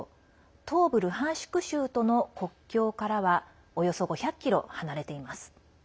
東部ルハンシク州との国境からはおよそ５００ｋｍ離れています。